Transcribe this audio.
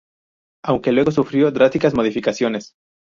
Aunque luego sufrió drásticas modificaciones.